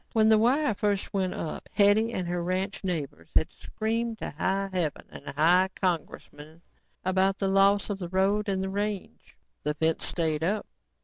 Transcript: When the wire first went up, Hetty and her ranching neighbors had screamed to high heaven and high congressmen about the loss of the road and range. The fence stayed up.